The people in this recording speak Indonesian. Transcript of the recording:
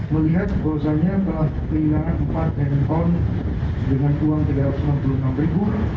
melihat bahwasannya telah kehilangan empat handphone dengan uang rp tiga ratus enam puluh enam